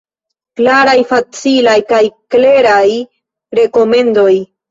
Klaraj, facilaj kaj kleraj rekomendoj.